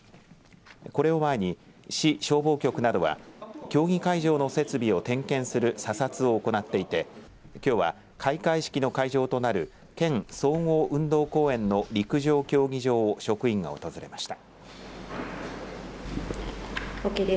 これを前に市消防局などは競技会場の設備を点検する査察を行っていてきょうは開会式の会場となる県総合運動公園の陸上競技場を職員が訪れました。